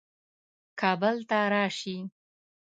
کابل ته راسي.